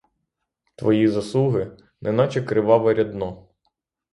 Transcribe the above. Твої заслуги — неначе криваве рядно.